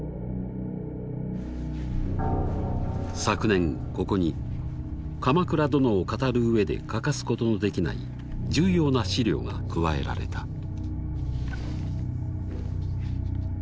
昨年ここに鎌倉殿を語る上で欠かすことのできない重要な史料が加えられた。